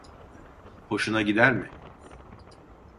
Hoşuna gider mi?